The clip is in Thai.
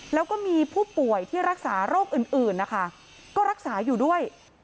แล้วก็มีผู้ป่วยที่รักษาโรคอื่นนะคะก็รักษาอยู่ด้วย